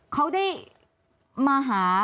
เขาได้มาหา